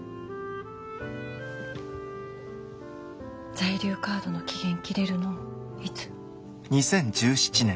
在留カードの期限切れるのいつ？